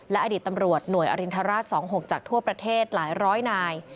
และอดีตตำรวจหน่วยอรินทราช๒๖จากทั่วประเทศหลายร้อยนาย